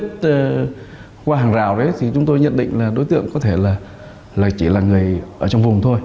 tại hiện trường có quá nhiều rộng lớn quá nhiều dấu vết qua hàng rào đấy thì chúng tôi nhận định đối tượng có thể chỉ là người ở trong vùng thôi